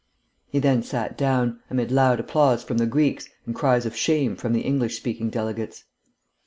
He then sat down, amid loud applause from the Greeks and cries of "shame" from the English speaking delegates.